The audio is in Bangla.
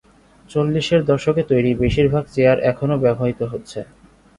চল্লিশের দশকে তৈরি বেশিরভাগ চেয়ার এখনো ব্যবহৃত হচ্ছে।